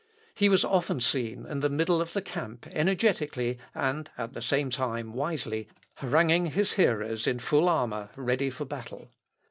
He was often seen in the middle of the camp energetically, and at the same time wisely, haranguing his hearers in full armour ready for battle.